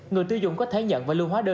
người tiêu dùng có thể nhận và lưu hóa đơn